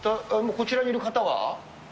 こちらにいる方は？